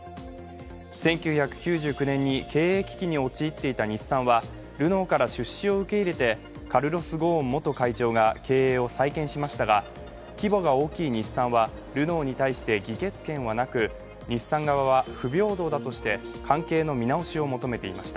１９９９年に経営危機に陥っていた日産はルノーから出資を受け入れてカルロス・ゴーン元会長が経営を再建しましたが規模が大きい日産は、ルノーに対して議決権はなく日産側は不平等だとして関係の見直しを求めていました。